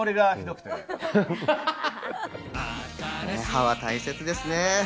歯は大切ですね。